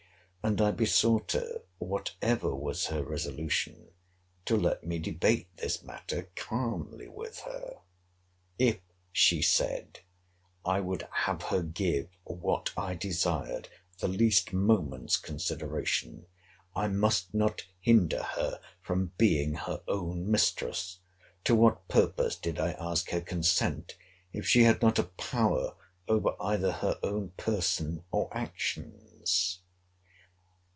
And I besought her, whatever was her resolution, to let me debate this matter calmly with her. If, she said, I would have her give what I desired the least moment's consideration, I must not hinder her from being her own mistress. To what purpose did I ask her consent, if she had not a power over either her own person or actions?